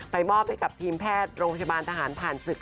มอบให้กับทีมแพทย์โรงพยาบาลทหารผ่านศึก